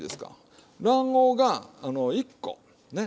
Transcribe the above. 卵黄が１個ね。